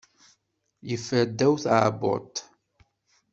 Yeffer ddaw tdabut.